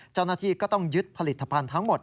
เจ้าหน้าที่ก็ต้องยึดผลิตภัณฑ์ทั้งหมด